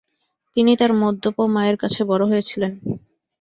তিনি তাঁর মদ্যপ মায়ের কাছে বড় হয়েছিলেন।